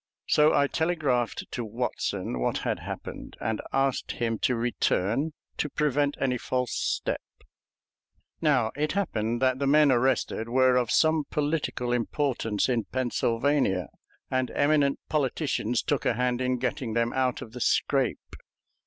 So I telegraphed to Watson what had happened, and asked him to return to prevent any false step. Now, it happened that the men arrested were of some political importance in Pennsylvania, and eminent politicians took a hand in getting them out of the scrape.